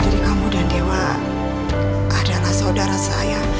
jadi kamu dan dewa adalah saudara saya